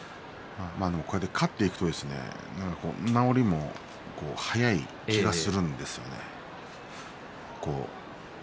勝っていくと治りも早い気がするんですよね。